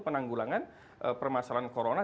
penanggulangan permasalahan corona